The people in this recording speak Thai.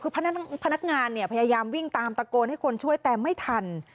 คือพนักงานเนี่ยพยายามวิ่งตามตะโกนให้คนช่วยแต่ไม่ทัน